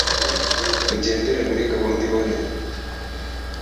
mugendere muri gahunda iboneye